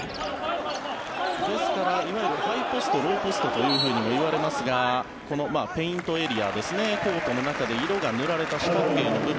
ですから、ハイポストローポストともいわれますがペイントエリアですねコートの中で色々が塗られた四角い部分。